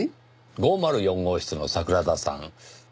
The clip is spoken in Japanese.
５０４号室の桜田さん。